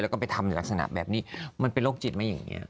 แล้วก็ไปทำในลักษณะแบบนี้มันเป็นโรคจิตไหมอย่างนี้